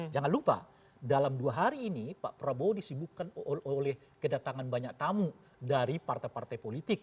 jangan lupa dalam dua hari ini pak prabowo disibukkan oleh kedatangan banyak tamu dari partai partai politik